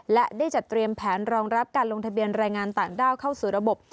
และได้จัดเตรียมแผนรองรับการลงทะเบียนรายงานต่างด้าวเข้าสู่ระบบ